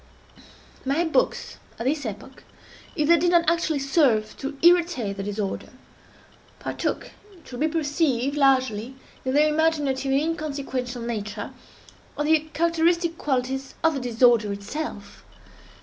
My books, at this epoch, if they did not actually serve to irritate the disorder, partook, it will be perceived, largely, in their imaginative and inconsequential nature, of the characteristic qualities of the disorder itself.